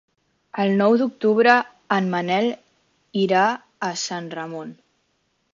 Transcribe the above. El nou d'octubre en Manel irà a Sant Ramon.